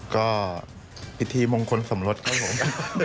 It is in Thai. ก็พิธีมงคลสมรสก็หลง